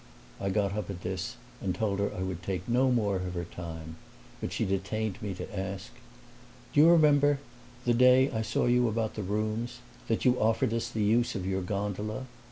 I got up at this and told her I would take no more of her time; but she detained me to ask, "Do you remember, the day I saw you about the rooms, that you offered us the use of your gondola?"